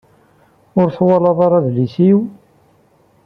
Ur twalaḍ ara adlis-iw?